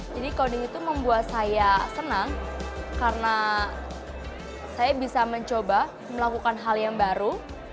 jadi coding itu membuat saya senang karena saya bisa mencoba melakukan hal yang baru